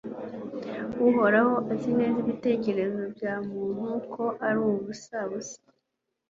uhoraho azi neza ibitekerezo bya muntu, ko ari ubusabusa